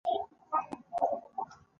فقره د لیکني یو بشپړ واحد دئ.